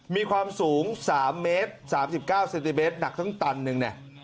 มีความสูง๓เมตร๓๙เซนติเมตรหนักทั้งตันหนึ่งเนี่ย